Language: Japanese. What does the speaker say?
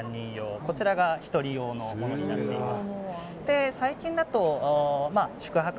こちらが１人用の個室になっています。